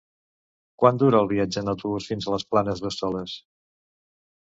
Quant dura el viatge en autobús fins a les Planes d'Hostoles?